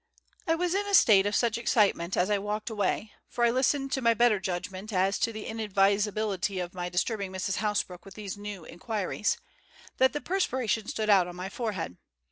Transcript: I was in a state of such excitement as I walked away for I listened to my better judgment as to the inadvisability of my disturbing Mrs. Hasbrouck with these new inquiries that the perspiration stood out on my forehead.